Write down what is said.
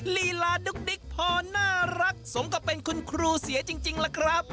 ลีลาดุ๊กดิ๊กพอน่ารักสมกับเป็นคุณครูเสียจริงล่ะครับ